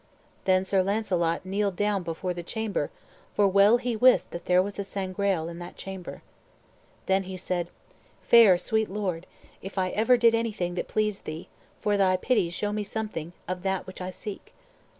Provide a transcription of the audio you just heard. Then Sir Launcelot kneeled down before the chamber, for well he wist that there was the Sangreal in that chamber. Then said he, "Fair, sweet Lord, if ever I did anything that pleased thee, for thy pity show me something of that which I seek."